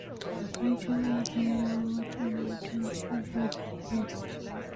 Paralympian Dylan Alcott and comedian Gen Fricker were also regular guests.